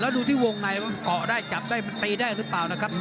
ดูที่วงในว่าเกาะได้จับได้มันตีได้หรือเปล่านะครับ